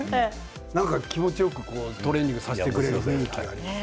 気持ちよくトレーニングさせてくれる雰囲気がある。